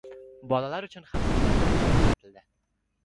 Bolalar uchun xavfsiz vaksina nomi aytildi